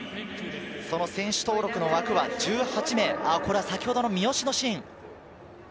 その選手登録の枠は１８名、これは先ほどの三好のシーン。